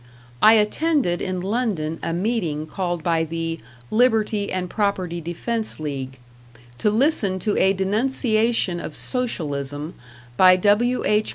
I attended in London a meeting called by the "Liberty and Property Defense League," to listen to a denunciation of Socialism by W.H.